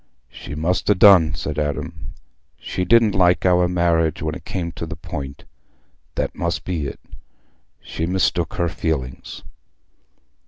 "She must ha' done," said Adam. "She didn't like our marriage when it came to the point—that must be it. She'd mistook her feelings."